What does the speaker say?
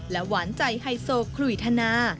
หวานใจไฮโซคลุยธนา